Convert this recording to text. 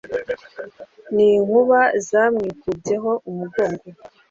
n'inkuba zawikubyeho umugongo